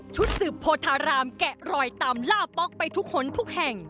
ชุดสืบโพธารามแกะรอยตามล่าป๊อกไปทุกหนทุกแห่ง